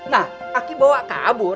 nah aki bawa kabur